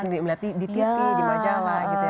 dia melihat sosok di tv di majalah